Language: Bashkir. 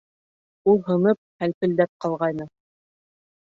Ул һынып, һәлпелдәп ҡалғайны.